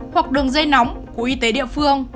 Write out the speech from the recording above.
hoặc đường dây nóng của y tế địa phương